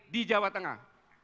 di jawa tengah